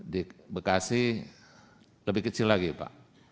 di bekasi lebih kecil lagi pak